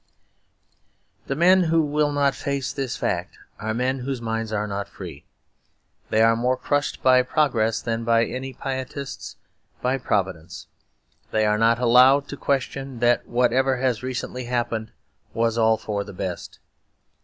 The men who will not face this fact are men whose minds are not free. They are more crushed by Progress than any pietists by Providence. They are not allowed to question that whatever has recently happened was all for the best.